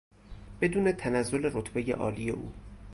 بدون تنزل رتبهی عالی او